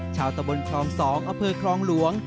ชาวตะบลคลอง๒อเภอคลองหลวง